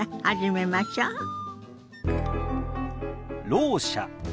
「ろう者」。